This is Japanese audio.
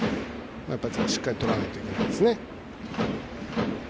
しっかりとらないといけませんね。